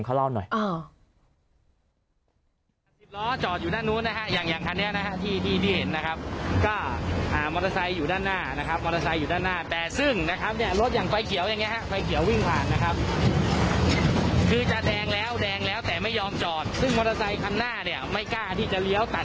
ไปฟังเสียงเขาเล่าหน่อย